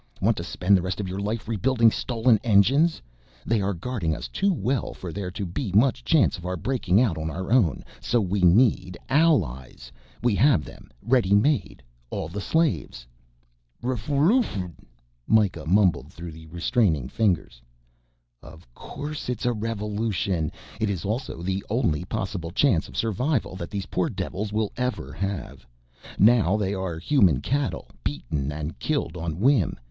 Want to spend the rest of your life rebuilding stolen engines? They are guarding us too well for there to be much chance of our breaking out on our own, so we need allies. We have them ready made, all the slaves." "Brevilushun...." Mikah mumbled through the restraining fingers. "Of course it's a revolution. It is also the only possible chance of survival that these poor devils will ever have. Now they are human cattle, beaten and killed on whim.